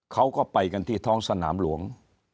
เขาก็ไปกันที่ท้องสนามหลวง